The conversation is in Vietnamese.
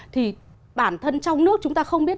thì bản thân trong nước chúng ta không biết